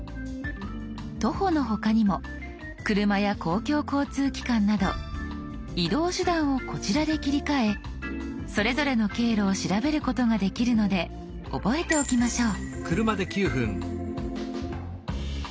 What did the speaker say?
徒歩の他にも車や公共交通機関など移動手段をこちらで切り替えそれぞれの経路を調べることができるので覚えておきましょう。